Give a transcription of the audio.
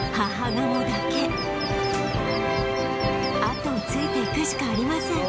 あとをついていくしかありません